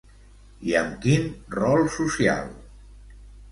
I amb quin rol social?